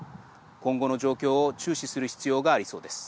今後の状況を注視する必要がありそうです。